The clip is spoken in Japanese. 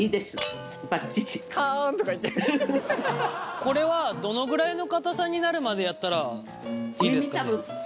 これはどのぐらいの固さになるまでやったらいいんですかね？